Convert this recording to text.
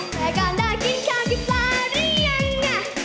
แต่การได้กินข้าวกี่ปลารี่ยัง